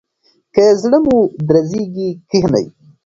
که زړه مو درزیږي کښینئ.